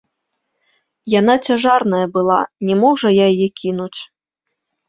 Яна цяжарная была, не мог жа я яе кінуць.